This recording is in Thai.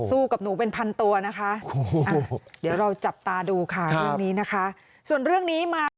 สู้กับหนูเป็นพันตัวนะคะเดี๋ยวเราจับตาดูค่ะเรื่องนี้นะคะ